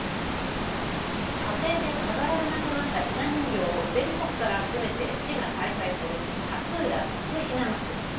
家庭で飾られなくなったひな人形を全国から集めて市が開催するかつうらビッグひな祭り。